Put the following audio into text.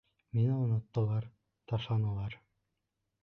Мине оноттолар, ташланылар...